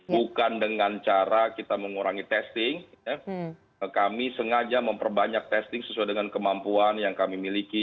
bukan dengan cara kita mengurangi testing kami sengaja memperbanyak testing sesuai dengan kemampuan yang kami miliki